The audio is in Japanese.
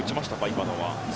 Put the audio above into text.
今のは。